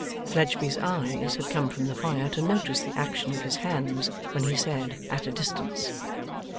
Fledgeby's eyes had come from the fire to notice the action of his hands when he said 'at a distance.